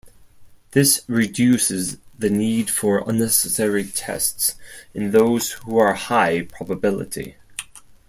This reduces the need for unnecessary tests in those who are high-probability.